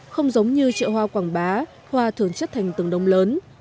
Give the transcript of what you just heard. không giống như chợ hoa quảng bá hoa thường chất thành từng đồng lớn